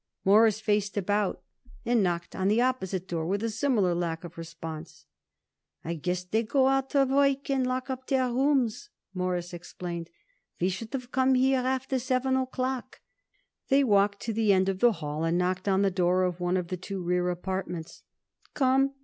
Morris faced about and knocked on the opposite door, with a similar lack of response. "I guess they go out to work and lock up their rooms," Morris explained. "We should have came here after seven o'clock." They walked to the end of the hall and knocked on the door of one of the two rear apartments. "Come!"